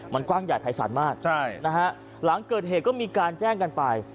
มันกว้างใหญ่ภายศาลมากหลังเกิดเหตุก็มีการแจ้งกันไป